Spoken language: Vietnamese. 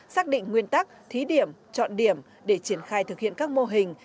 xác định nguyên tắc thí điểm chọn điểm để triển khai thực hiện các mô hình